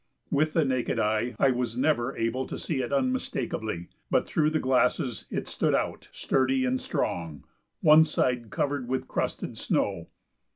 With the naked eye I was never able to see it unmistakably, but through the glasses it stood out, sturdy and strong, one side covered with crusted snow.